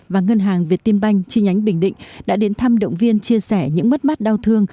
và ngân hàng việt tiên banh chi nhánh bình định đã đến thăm động viên chia sẻ những mất mát đau thương